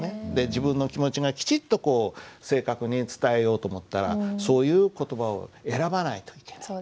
自分の気持ちがきちっとこう正確に伝えようと思ったらそういう言葉を選ばないといけない。